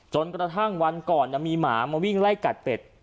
จนกระทั่งวันก่อนมีหมามาวิ่งไล่กัดเป็ด